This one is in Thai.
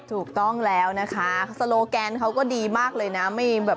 ถูกต้องแล้วนะคะโซโลแกนเขาก็ดีมากเลยนะ